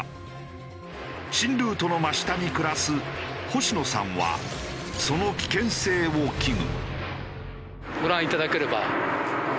新ルートの真下に暮らす星野さんはその危険性を危惧。